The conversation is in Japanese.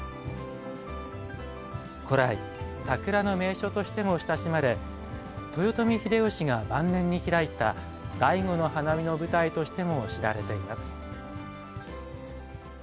古来桜の名所としても親しまれ豊臣秀吉が晩年に開いた醍醐の花見の舞台としても知られています。